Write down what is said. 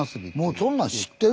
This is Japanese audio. そんなん知ってる？